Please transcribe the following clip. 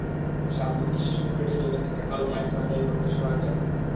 শালদুধ শিশুর পেটে জমে থাকা কালো পায়খানা বের করতে সহায়তা করে।